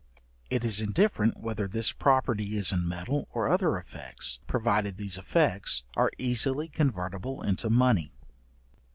It is indifferent whether this property is in metal or other effects, provided these effects, are easily convertible into money.